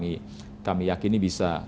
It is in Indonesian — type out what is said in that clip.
dan kami yakin bisa memilih mereka